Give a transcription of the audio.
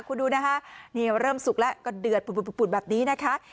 คุณดูนะคะนี่เริ่มสุกแล้วก็เดือดปุดแบบนี้นะคะ